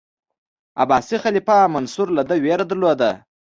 عباسي خلیفه منصور له ده ویره درلوده.